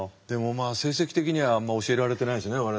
でも成績的にはあんま教えられてないですね。